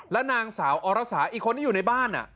และนางสาวอรสาอีกคนที่อยู่ในบ้าน